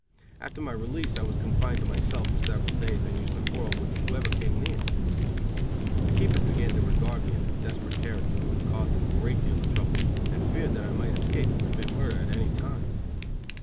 After my release I was confined to my cell for several days, and used to quarrel with whoever came near me. The keepers began to regard me as a desperate character, who would cause them a great deal of trouble; and feared that I might escape or commit murder at any time.